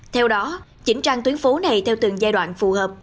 theo đó chỉnh trang tuyến phố này theo từng giai đoạn phù hợp